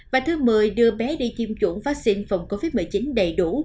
và thứ mười đưa bé đi tiêm chủng vắc xin phòng covid một mươi chín đầy đủ